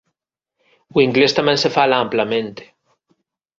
O inglés tamén se fala amplamente.